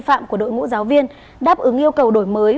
phạm của đội ngũ giáo viên đáp ứng yêu cầu đổi mới